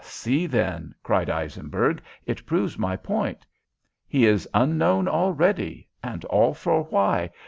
See then!" cried Eisenberg. "It proves my point. He is unknown already, and all for why?